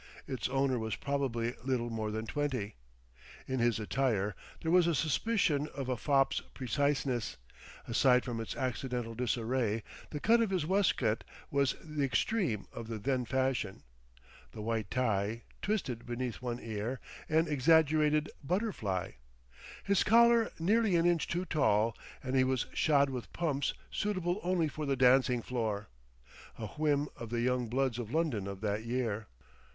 Its owner was probably little more than twenty. In his attire there was a suspicion of a fop's preciseness, aside from its accidental disarray; the cut of his waistcoat was the extreme of the then fashion, the white tie (twisted beneath one ear) an exaggerated "butterfly," his collar nearly an inch too tall; and he was shod with pumps suitable only for the dancing floor, a whim of the young bloods of London of that year.